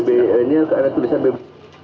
ini karena tulisan bb